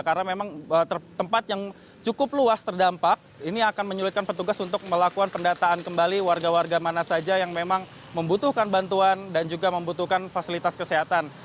karena memang tempat yang cukup luas terdampak ini akan menyulitkan petugas untuk melakukan pendataan kembali warga warga mana saja yang memang membutuhkan bantuan dan juga membutuhkan fasilitas kesehatan